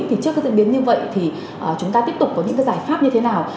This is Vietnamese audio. trước các diễn biến như vậy chúng ta tiếp tục có những giải pháp như thế nào